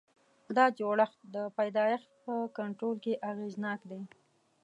دا جوړښت د پیدایښت په کنټرول کې اغېزناک دی.